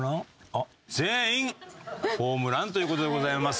あっ全員ホームランという事でございます。